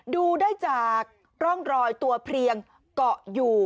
ดูได้จากร่องรอยตัวเพลียงเกาะอยู่